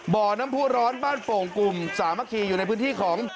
บ่อน้ำผู้ร้อนบ้านโป่งกลุ่มสามัคคีอยู่ในพื้นที่ของ